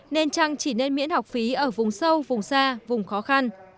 nên chăng chỉ nên miễn học phí ở vùng sâu vùng xa vùng khó khăn